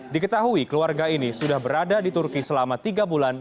diketahui keluarga ini sudah berada di turki selama tiga bulan